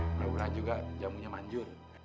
mudah mudahan juga jamunya manjur